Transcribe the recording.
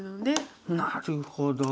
なるほど。